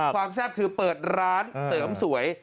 แซ่บคือเปิดร้านเสริมสวย